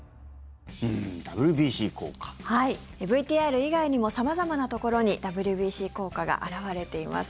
ＶＴＲ以外にも様々なところにＷＢＣ効果が表れています。